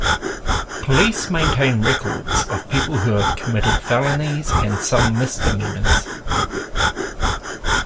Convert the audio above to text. Police maintain records of people who have committed felonies and some misdemeanors.